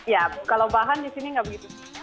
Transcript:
ya kalau bahan di sini nggak begitu